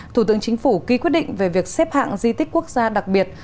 thủ tướng chính phủ ký quyết định về việc xếp hạng di tích quốc gia đặc biệt